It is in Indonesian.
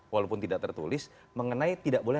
walaupun tidak tertulis mengenai tidak boleh